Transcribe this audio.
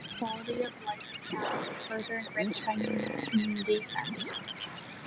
The quality of life in town is further enriched by numerous community events.